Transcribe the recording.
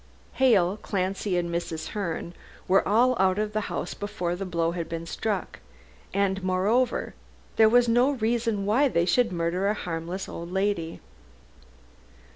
Hale, Clancy and Mrs. Herne were all out of the house before the blow had been struck, and, moreover, there was no reason why they should murder a harmless old lady.